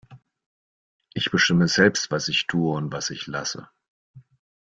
Ich bestimme selbst, was ich tue und was ich lasse.